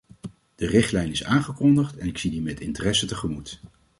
De richtlijn is aangekondigd en ik zie die met interesse tegemoet!